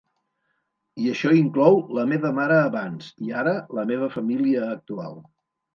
I això inclou la meva mare abans i ara la meva família actual.